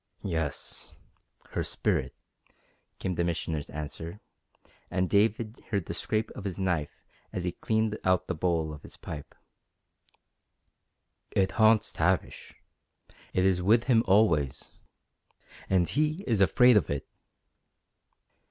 "Yes, her spirit," came the Missioner's answer, and David heard the scrape of his knife as he cleaned out the bowl of his pipe. "It haunts Tavish. It is with him always. _And he is afraid of it!